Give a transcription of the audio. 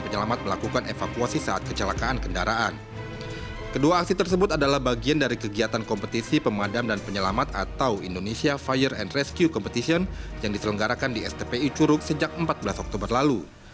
yang diselenggarakan di stpi curug sejak empat belas oktober lalu